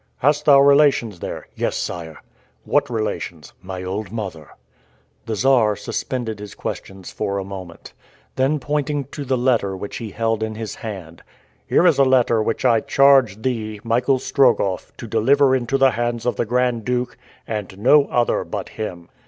"Hast thou relations there?" "Yes sire." "What relations?" "My old mother." The Czar suspended his questions for a moment. Then, pointing to the letter which he held in his hand, "Here is a letter which I charge thee, Michael Strogoff, to deliver into the hands of the Grand Duke, and to no other but him."